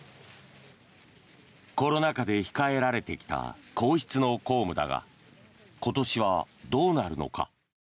コロナ禍で控えられてきた皇室の公務だが今年はどうなるのか。